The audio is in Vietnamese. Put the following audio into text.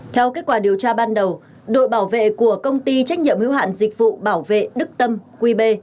theo kết quả điều tra ban đầu đội bảo vệ của công ty trách nhiệm hiếu hạn dịch vụ bảo vệ đức tâm qb